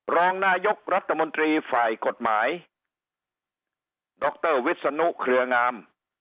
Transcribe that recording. รองนายกรัฐมนตรีฝ่ายกฎหมายดรวิศนุเครืองาม